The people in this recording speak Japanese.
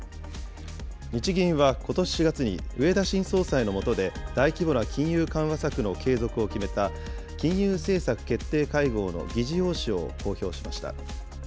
日銀はことし４月に、植田新総裁の下で大規模な金融緩和策の継続を決めた、金融政策決定会合の議事要旨を公表しました。